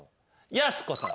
やす子さん。